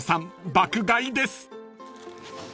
爆買いです］